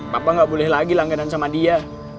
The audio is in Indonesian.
papa nggak boleh lagi langganan sama dia